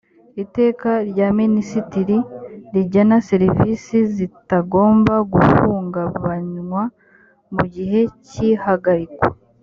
iteka rya minisitiri rigena serivisi zitagomba guhungabanywa mu gihe cy ihagarikwa